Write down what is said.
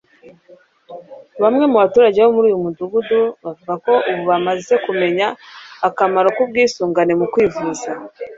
Bamwe mu baturage bo muri uyu mudugudu bavuga ko ubu bamaze kumenya akamaro ku bwisungane mu kwivuza